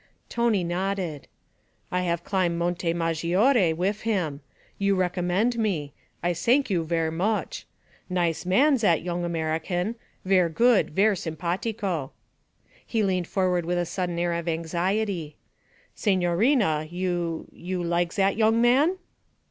Tony nodded. 'I have climb Monte Maggiore wif him. You recommend me; I sank you ver' moch. Nice man, zat yong American; ver' good, ver' simpatico.' He leaned forward with a sudden air of anxiety. 'Signorina, you you like zat yong man?'